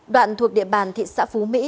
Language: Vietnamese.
đoạn thuộc địa bàn thị xã phú mỹ